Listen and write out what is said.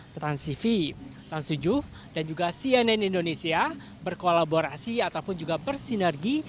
transtv trans tujuh dan juga cnn indonesia berkolaborasi ataupun juga bersinergi